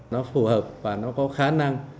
nó phù hợp và nó có khả năng